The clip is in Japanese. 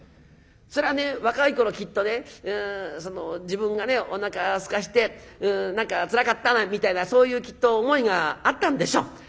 それはね若い頃きっと自分がおなかすかしてつらかったみたいなそういうきっと思いがあったんでしょう。